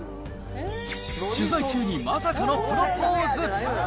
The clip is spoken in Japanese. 取材中にまさかのプロポーズ。